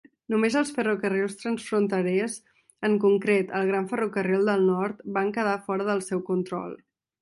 Només els ferrocarrils transfronterers, en concret el Gran Ferrocarril del Nord, van quedar fora del seu control.